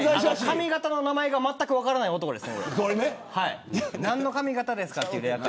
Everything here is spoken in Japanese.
髪形の名前がまったく分からない男です。